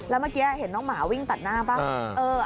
แล้วเมื่อกี้เห็นน้องหมาวิ่งตัดหน้าบ้าง